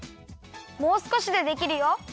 もうすこしでできるよ。